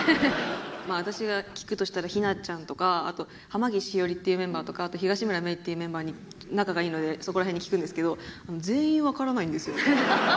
私が聞くとしたら陽菜ちゃんとかあと濱岸ひよりっていうメンバーとか東村芽依っていうメンバーに仲がいいのでそこら辺に聞くんですけど全員わからないんですよね。